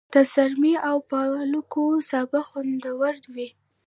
د څارمي او پالکو سابه خوندور وي.